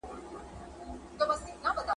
راز د میني دي رسوادئ.